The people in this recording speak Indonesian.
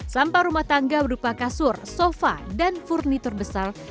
sampah rumah tangga berupa kasur sofa dan furnitur besar